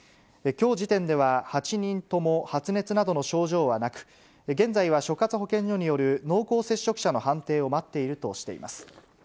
きょう時点では、８人とも発熱などの症状はなく、現在は所轄保健所による濃厚接触者の判定を待っているとしています。